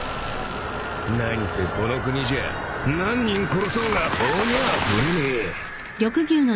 なにせこの国じゃ何人殺そうが法にゃ触れねえ。